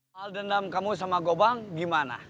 hal dendam kamu sama gobang gimana